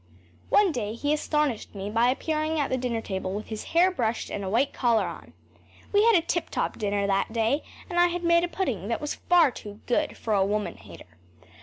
One day he astonished me by appearing at the dinner table with his hair brushed and a white collar on. We had a tiptop dinner that day, and I had made a pudding that was far too good for a woman hater.